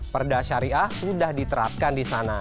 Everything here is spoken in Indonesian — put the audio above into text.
perda syariah sudah diterapkan di sana